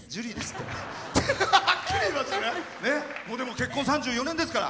結婚３４年ですから。